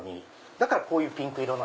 だからこういうピンク色。